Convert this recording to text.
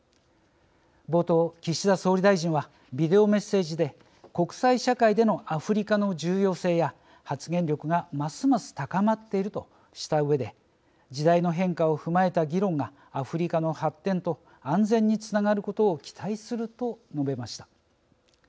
冒頭岸田総理大臣はビデオメッセージで国際社会でのアフリカの重要性や発言力がますます高まっているとしたうえで時代の変化を踏まえた議論がアフリカの発展と安全につながることを期待すると述べました。